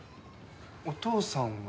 お父さんは？